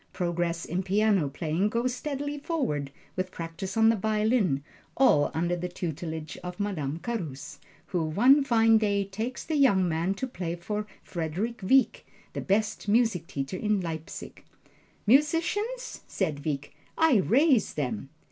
Progress in piano playing goes steadily forward, with practise on the violin, all under the tutelage of Madame Carus, who one fine day takes the young man to play for Frederick Wieck, the best music teacher in Leipzig. "Musicians?" said Wieck, "I raise them!"